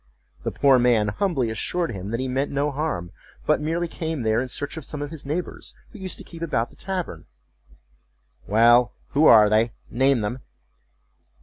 The poor man humbly assured him that he meant no harm, but merely came there in search of some of his neighbors, who used to keep about the tavern."Well—who are they?—name them."